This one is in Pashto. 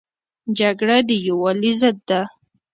جګړه د یووالي ضد ده